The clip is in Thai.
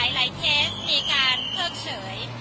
หลายเคสมีการเคิกเฉย